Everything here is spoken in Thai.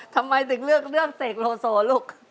ทำไมถึงเลือกเรื่องเสกโลโซลูก